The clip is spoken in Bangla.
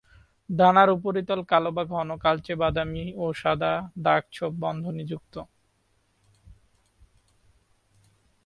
ডানার উপরিতল কালো বা ঘন কালচে বাদামি ও সাদা দাগ-ছোপ-বন্ধনী যুক্ত।